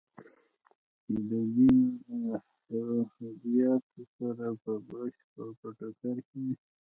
چې د دین له هدایاتو سره بشپړ په ټکر کې وي.